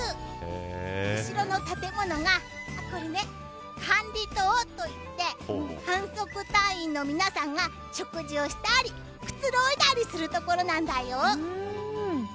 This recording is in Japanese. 後ろの建物が管理棟と言って観測隊員の皆さんが食事をしたりくつろいだりする所なんだよ。